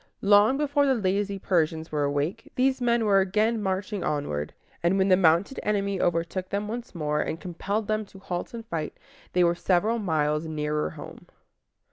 Long before the lazy Persians were awake, these men were again marching onward; and when the mounted enemy overtook them once more, and compelled them to halt and fight, they were several miles nearer home.